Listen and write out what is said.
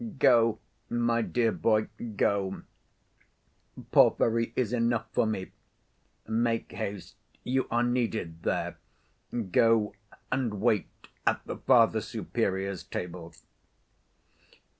"Go, my dear boy, go. Porfiry is enough for me. Make haste, you are needed there, go and wait at the Father Superior's table."